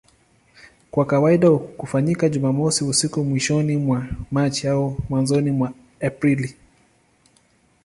Kwa kawaida hufanyika Jumamosi usiku mwishoni mwa Machi au mwanzoni mwa Aprili.